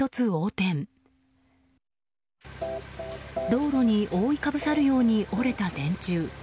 道路に覆いかぶさるように折れた電柱。